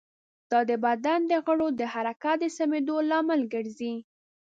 دا د بدن د غړو د حرکت د سمېدو لامل ګرځي.